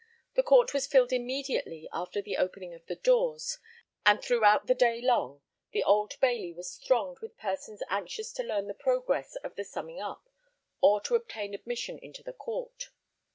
The Court was filled immediately after the opening of the doors, and throughout the day long the Old Bailey was thronged with persons anxious to learn the progress of the summing up, or to obtain admission into the Court.